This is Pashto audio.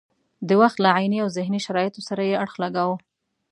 د وخت له عیني او ذهني شرایطو سره یې اړخ لګاوه.